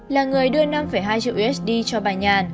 là người đưa năm hai triệu usd cho bà nhàn